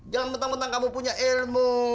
jangan betul betul kamu punya ilmu